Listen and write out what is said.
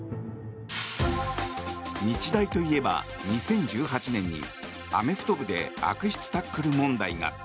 日大といえば２０１８年にアメフト部で悪質タックル問題が。